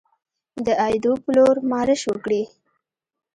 د ایدو په لور مارش وکړي.